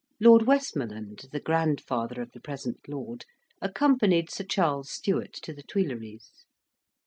Lord Westmoreland, the grandfather of the present lord, accompanied Sir Charles Stewart to the Tuileries.